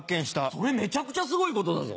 それめちゃくちゃすごいことだぞ。